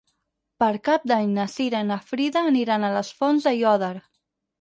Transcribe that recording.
Per Cap d'Any na Cira i na Frida aniran a les Fonts d'Aiòder.